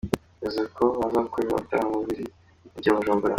Bivuze ko bazakorera ibitaramo bibiri mu mujyi wa Bujumbura.